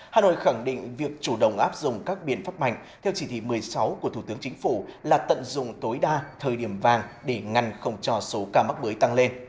hà nội khẳng định việc chủ động áp dụng các biện pháp mạnh theo chỉ thị một mươi sáu của thủ tướng chính phủ là tận dụng tối đa thời điểm vàng để ngăn không cho số ca mắc mới tăng lên